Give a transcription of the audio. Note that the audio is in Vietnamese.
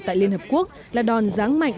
tại liên hợp quốc là đòn ráng mạnh